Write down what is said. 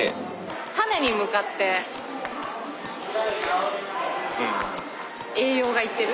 種に向かって栄養が行ってる？